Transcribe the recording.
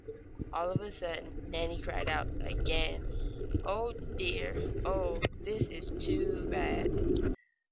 All of a sudden Nannie cried out again: "Oh, dear! Oh, this is too bad!"